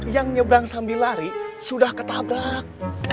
yang nyebrang sambil lari sudah ketabrak